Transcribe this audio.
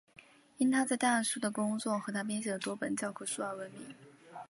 因他在代数的工作和他编写的多本教科书而闻名。